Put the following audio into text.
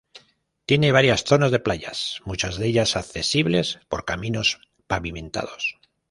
Tiene varias zonas de playas, muchas de ellas accesibles por caminos pavimentados.